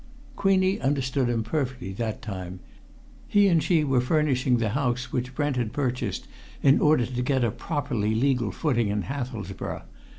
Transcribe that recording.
Queenie understood him perfectly that time. He and she were furnishing the house which Brent had purchased in order to get a properly legal footing in Hathelsborough.